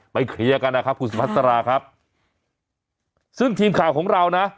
เคลียร์กันนะครับคุณสุพัสราครับซึ่งทีมข่าวของเรานะ